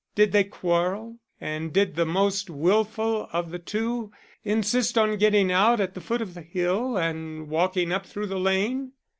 Did they quarrel and did the most wilful of the two insist on getting out at the foot of the hill and walking up through the lane?"